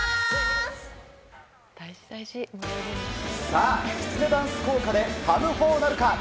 さあ、きつねダンス効果ではむほーなるか？